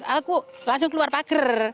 aku langsung keluar pagar